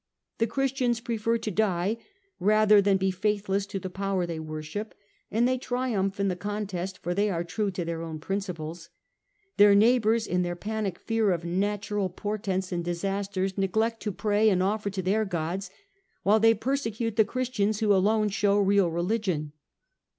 The Christians prefer to die rather than be faithless to the power they worship, and they triumph in the contest, for they are true to their own principles. Their neighbours in their panic fear of natural portents and disasters neglect to pray and offer to their gods, while they persecute the Christians who alone show real religion.